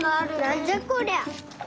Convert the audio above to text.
なんじゃこりゃ！